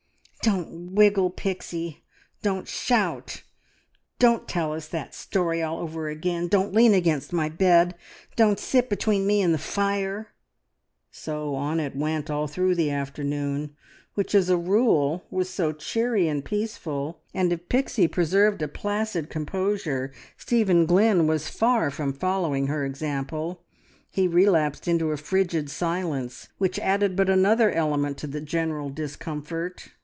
"Don't wriggle, Pixie! ... Don't shout! Don't tell us that story all over again. ... Don't lean against my bed. ... Don't sit between me and the fire!" so on it went all through the afternoon, which as a rule was so cheery and peaceful, and if Pixie preserved a placid composure, Stephen Glynn was far from following her example. He relapsed into a frigid silence, which added but another element to the general discomfort.